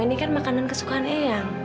ini kan makanan kesukaan eyang